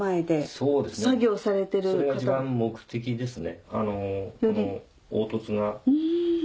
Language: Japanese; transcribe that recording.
それが一番目的ですね。